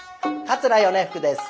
桂米福です。